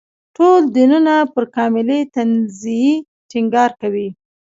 ټول دینونه پر کاملې تنزیې ټینګار کوي.